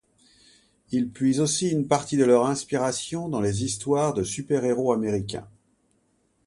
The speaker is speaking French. Ils puisent aussi une partie de leur inspiration dans les histoires de super-héros américains.